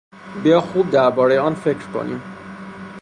بیا خوب دربارهی آن فکر کنیم.